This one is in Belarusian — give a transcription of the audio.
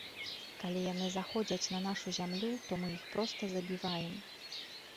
Калі яны заходзяць на нашу зямлю, то мы іх проста забіваем.